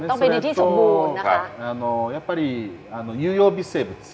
ต้องเป็นดินที่สมบูรณ์